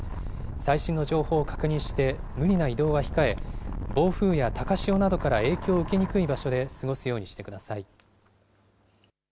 最新の情報を確認して、無理な移動は控え、暴風や高潮などから影響を受けにくい場所で過ごすようにしてください。